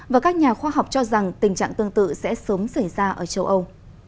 và các nhà khoa học cho rằng tình trạng tương tự sẽ sớm xảy ra ở châu âu